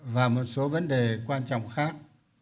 và một số vấn đề quan trọng khác